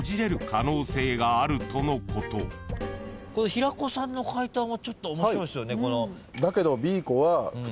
平子さんの解答もちょっと面白いっすよね。